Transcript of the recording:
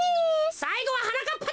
さいごははなかっぱだ！